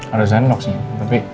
ada sendok sih tapi